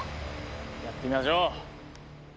やってみましょう！